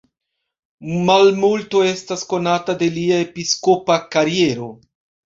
Malmulto estas konata de lia episkopa kariero.